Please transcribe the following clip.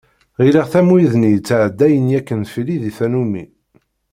Ɣilleɣ-t am wid-nni yettɛeddayen yakan fell-i di tannumi.